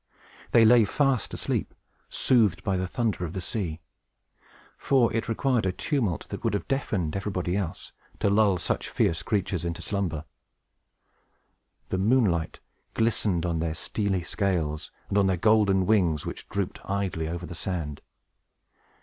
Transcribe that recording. They lay fast asleep, soothed by the thunder of the sea; for it required a tumult that would have deafened everybody else to lull such fierce creatures into slumber. The moonlight glistened on their steely scales, and on their golden wings, which drooped idly over the sand.